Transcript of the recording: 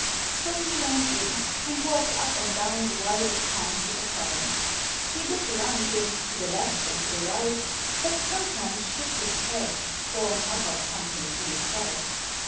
So he went in, and walked up and down the wide expanses of heaven. He looked around him, to the left and to the right, but sometimes shook his head, or muttered something to himself.